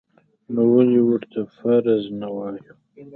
نو ولې ورته فرض نه وایو؟